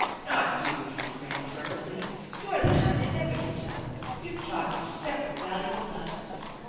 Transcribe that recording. " Not you !" said Graham fervently. " You're the kind that never gives up. You've taught me several valuable lessons."